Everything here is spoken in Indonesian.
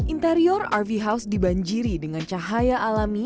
interior rv house di banjiri dengan cahaya